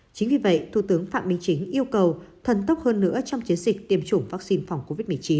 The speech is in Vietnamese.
chính vì vậy thủ tướng phạm minh chính yêu cầu thần tốc hơn nữa trong chiến dịch tiêm chủng vaccine phòng covid một mươi chín